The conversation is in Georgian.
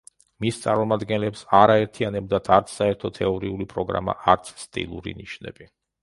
მის წარმომადგენლებს არ აერთიანებდათ არც საერთო თეორიული პროგრამა, არც სტილური ნიშნები.